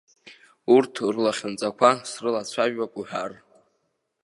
Урҭ рлахьынҵақәа срылацәажәап уҳәар.